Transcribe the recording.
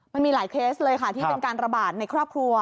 มันมีหลายเคสเลยค่ะที่เป็นการระบาดในครอบครัว